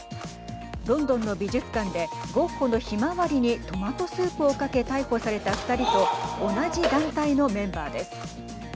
ロンドンの美術館でゴッホのひまわりにトマトスープをかけ逮捕された２人と同じ団体のメンバーです。